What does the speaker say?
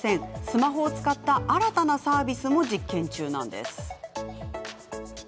スマホを使った新たなサービスも実験中なんです。